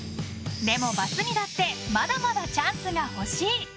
でもバツ２だってまだまだチャンスが欲しい！